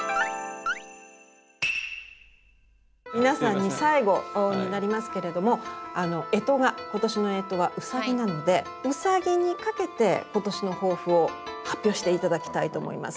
皆さんに最後になりますけれどもあの干支が今年の干支はうさぎなのでうさぎにかけて今年の抱負を発表して頂きたいと思います。